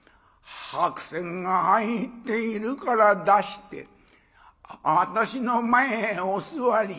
白扇が入っているから出して私の前へお座り」。